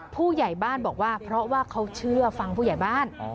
ผู้ใหญ่บ้านบอกว่าเพราะว่าเขาเชื่อฟังผู้ใหญ่บ้าน